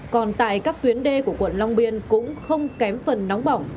còn tại các tuyến đê của quận long biên cũng không kém phần nóng bỏng